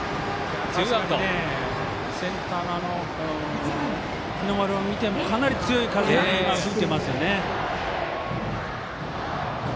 確かに、センターの日の丸を見てもかなり強い風が吹いてますよね。